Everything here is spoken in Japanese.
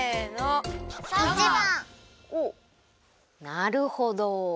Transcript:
なるほど！